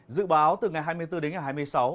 dự báo từ ngày hai mươi bốn đến ngày hai mươi sáu